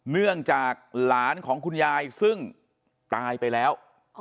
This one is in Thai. เนื่องจากหลานของคุณยายซึ่งตายไปแล้ว